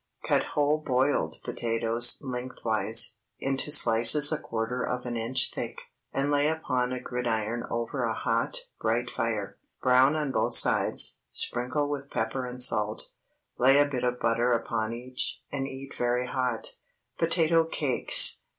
Cut whole boiled potatoes lengthwise, into slices a quarter of an inch thick, and lay upon a gridiron over a hot, bright fire. Brown on both sides, sprinkle with pepper and salt, lay a bit of butter upon each, and eat very hot. POTATO CAKES.